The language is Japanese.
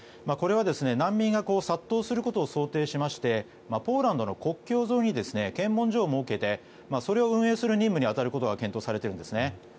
これは、難民が殺到することを想定してポーランドの国境沿いに検問所を設けてそれを運営する任務に当たることが検討されているんですね。